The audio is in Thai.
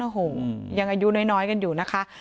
โอ้โหยังอายุน้อยกันอยู่นะคะ